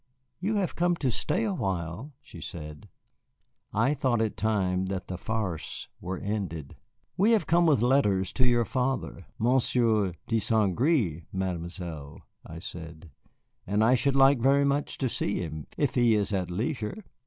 "You have come to stay awhile?" she said. I thought it time that the farce were ended. "We have come with letters to your father, Monsieur de Saint Gré, Mademoiselle," I said, "and I should like very much to see him, if he is at leisure."